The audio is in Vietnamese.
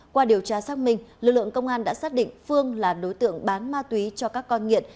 qua điều tra xác minh lực lượng công an đã xác định phương là đối tượng bán ma túy cho các con nghiện